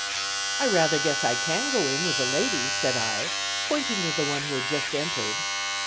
"I rather guess I can go in with a lady," said I, pointing to the one who had just entered.